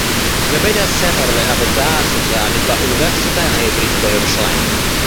מבית-הספר לעבודה סוציאלית באוניברסיטה העברית בירושלים